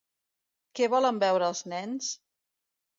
Què volen beure els nens?